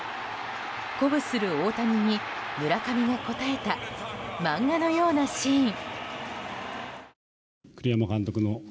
鼓舞する大谷に村上が応えた漫画のようなシーン。